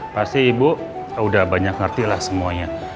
pasti ibu udah banyak ngerti lah semuanya